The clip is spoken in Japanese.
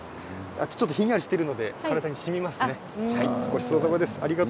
ちょっとひんやりしているので体にしみますね。